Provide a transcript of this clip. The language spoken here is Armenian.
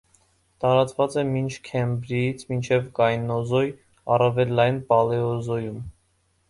Տարածված է մինչքեմբրից մինչև կայնոզոյ (առավել լայն՝ պալեոզոյում)։